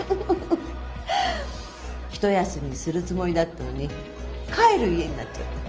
一休みするつもりだったのに帰る家になっちゃった。